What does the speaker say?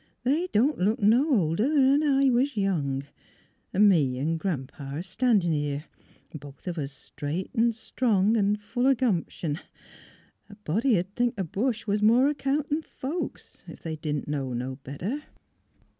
They don't look no older 'an when I was young — an' me 'n' Gran 'pa a standin' here, both of us straight an' strong an' full o' gumption. ... A body 'd think a bush was more account 'an folks — ef they didn 't know no better."